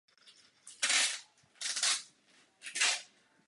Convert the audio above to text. Jeho zbarvení je většinou bílý podklad a oranžové skvrny.